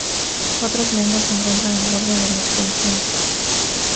Otras lenguas se encuentran al borde de la extinción.